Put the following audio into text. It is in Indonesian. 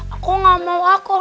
aku gak mau akor